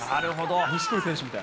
錦織選手みたい。